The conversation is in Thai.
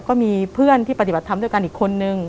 ก็มีเพื่อนที่ปฏิบัติธรรมด้วยกันอีกคนนึง